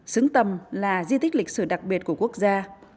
xứng tầm là di tích lịch sử đặc biệt của quốc gia